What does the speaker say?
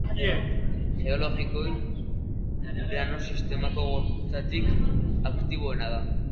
Geologikoki Urano sistemako gorputzik aktiboena da.